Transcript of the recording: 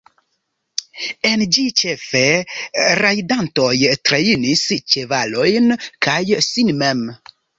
En ĝi ĉefe rajdantoj trejnis ĉevalojn kaj sin mem.